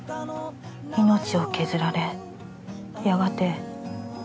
「命を削られ」「やがて」